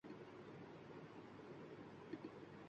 ز بس خوں گشتۂ رشک وفا تھا وہم بسمل کا